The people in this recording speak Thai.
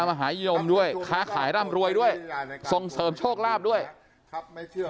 มหายอมด้วยค้าข่ายร่ำรวยด้วยทรงเสิร์ตโชคราบด้วยไม่เชื่อ